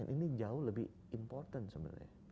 ini jauh lebih important sebenarnya